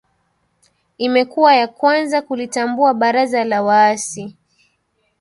imekuwa ya kwanza kulitambua baraza la waasi